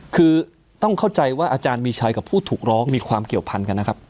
คือต้องเข้าใจว่าอาจารย์มีชัยกับผู้ถูกร้องมีความเกี่ยวพันกันนะครับ